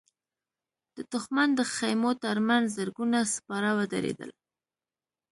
د دښمن د خيمو تر مخ زرګونه سپاره ودرېدل.